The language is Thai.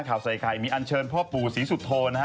ข่าวใส่ไข่มีอันเชิญพ่อปู่ศรีสุโธนะฮะ